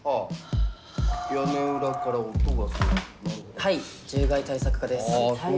☎はい獣害対策課です。